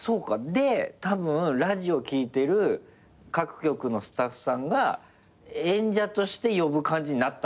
でたぶんラジオ聴いてる各局のスタッフさんが演者として呼ぶ感じになったんすね。